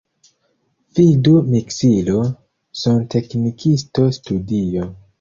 Vidu miksilo, sonteknikisto, studio.